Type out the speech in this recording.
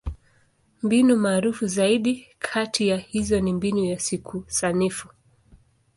Mbinu maarufu zaidi kati ya hizo ni Mbinu ya Siku Sanifu.